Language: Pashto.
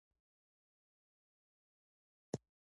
د چاپېریال ځیني ککړونکي مواد لکه درانده فلزونه پښتورګو ته زیان رسوي.